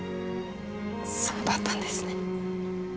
そうだったんですね。